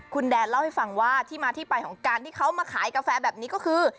คุณแดนเล่าให้ฟังว่าที่มาที่ไปของการที่เขามาขายกาแฟแบบนี้ก็คือ